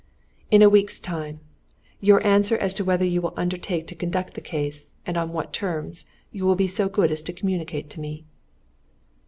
"In a week's time. Your answer as to whether you will undertake to conduct the case, and on what terms, you will be so good as to communicate to me."